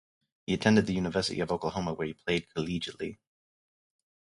He attended the University of Oklahoma, where he played collegiately.